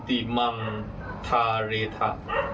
ติมังทาเรทะ